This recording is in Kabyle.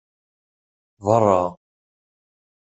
Berra!